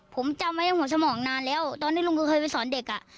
ผมจำไว้หัวสมองนานแล้วตอนที่ลุงก็เคยไปสอนเด็กอ่ะ